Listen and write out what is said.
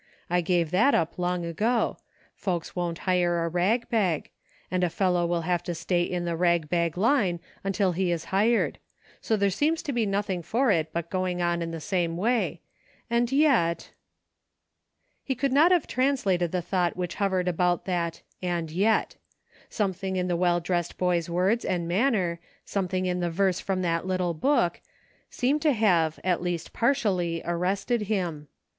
I gave that up long ago. Folks won't hire a rag bag ; and a fellow will have to stay in the rag bag line until he is hired ; so there seems to be nothing for it but going on in the same way ; and yet "— He could not have translated the thought which hovered about that "and yet;" something in the well dressed boy's words and manner, something in the verse from the little book, seemed to have, at least partially, arrested him.